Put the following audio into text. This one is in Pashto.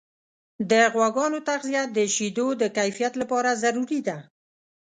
د غواګانو تغذیه د شیدو د کیفیت لپاره ضروري ده.